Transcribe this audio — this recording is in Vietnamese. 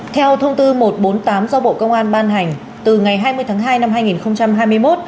theo thông tư một trăm bốn mươi tám do bộ công an ban hành từ ngày hai mươi tháng hai năm hai nghìn hai mươi một